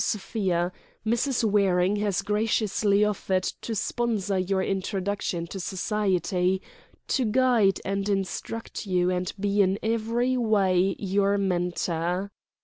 Sofia, Mrs. Waring has graciously offered to sponsor your introduction to Society, to guide and instruct you and be in every way your mentor."